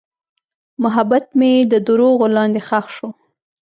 محبت مې د دروغو لاندې ښخ شو.